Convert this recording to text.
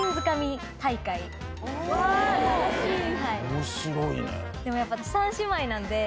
面白いね。